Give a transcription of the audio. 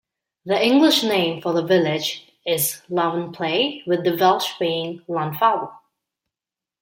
The English name for the village is Llanvapley with the Welsh being Llanfable.